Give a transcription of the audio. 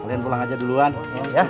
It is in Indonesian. kalian pulang aja duluan ya